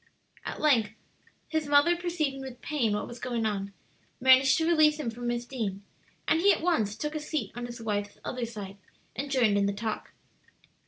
At length, his mother perceiving with pain what was going on, managed to release him from Miss Deane, and he at once took a seat on his wife's other side, and joined in the talk.